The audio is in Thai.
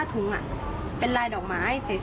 ทั้งลูกสาวลูกชายก็ไปทำพิธีจุดทูป